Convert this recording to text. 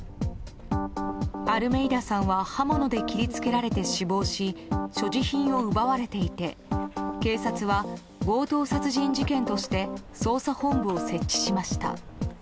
アルメイダさんは刃物で切り付けられて死亡し所持品を奪われていて警察は強盗殺人事件として捜査本部を設置しました。